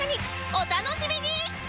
お楽しみに！